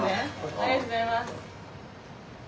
ありがとうございます。